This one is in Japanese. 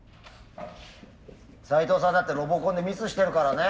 斎藤さんだってロボコンでミスしてるからね。